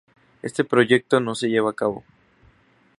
Este proyecto no se lleva a cabo.